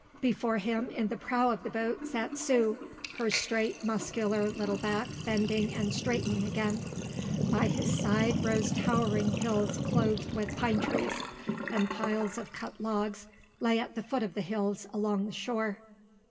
Before him in the prow of the boat sat Sue, her straight muscular little back bending and straightening again. By his side rose towering hills clothed with pine trees, and piles of cut logs lay at the foot of the hills along the shore.